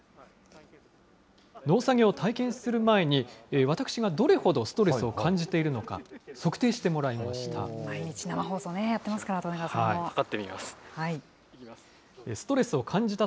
農作業を体験する前に、私がどれほどストレスを感じているのか、測定してもらいました。